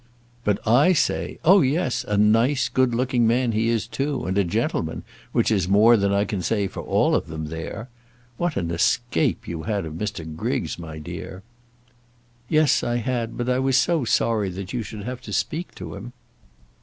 "But I say, oh, yes; a nice good looking man he is too, and a gentleman, which is more than I can say for all of them there. What an escape you had of Mr. Griggs, my dear!" "Yes, I had. But I was so sorry that you should have to speak to him."